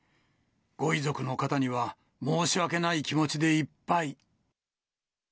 ご遺族の方には申し訳ない気持ちでいっぱい。